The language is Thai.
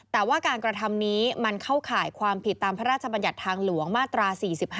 แต่ว่าการกระทำนี้มันเข้าข่ายความผิดตามพระราชบัญญัติทางหลวงมาตรา๔๕